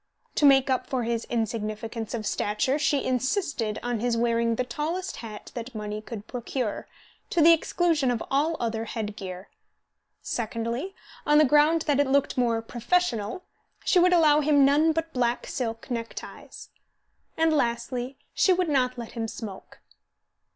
To make up for his insignificance of stature, she insisted on his wearing the tallest hat that money could procure, to the exclusion of all other head gear; secondly, on the ground that it looked more "professional," she would allow him none but black silk neckties; and lastly, she would not let him smoke.